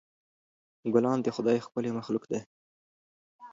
ګلان د خدای ښکلی مخلوق دی.